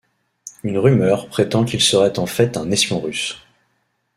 Une rumeur prétend qu'il serait en fait un espion russe.